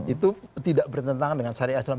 itu tidak bertentangan dengan syariah islam